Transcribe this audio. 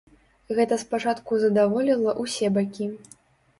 Гэта спачатку задаволіла ўсе бакі.